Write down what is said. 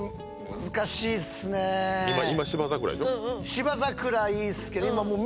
芝桜いいっすけど今もう。